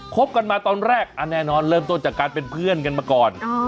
บกันมาตอนแรกอันแน่นอนเริ่มต้นจากการเป็นเพื่อนกันมาก่อน